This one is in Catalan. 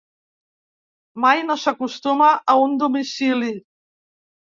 Mai no s'acostuma a un domicili.